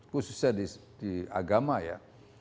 khususnya di agama ya